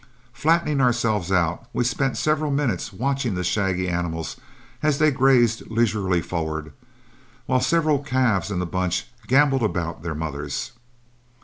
Flattening ourselves out, we spent several minutes watching the shaggy animals as they grazed leisurely forward, while several calves in the bunch gamboled around their mothers.